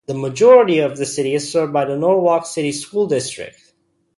The majority of the city is served by the Norwalk City School District.